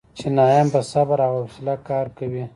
چینایان په صبر او حوصله کار کوي.